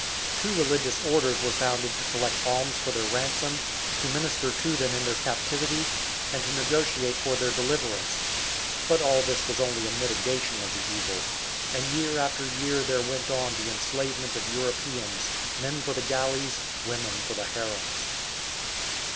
Two religious orders were founded to collect alms for their ransom, to minister to them in their captivity, and to negotiate for their deliverance. But all this was only a mitigation of the evil, and year after year there went on the enslavement of Europeans, men for the galleys, women for the harems.